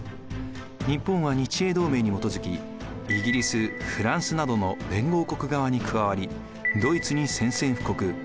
日本は日英同盟に基づきイギリスフランスなどの連合国側に加わりドイツに宣戦布告。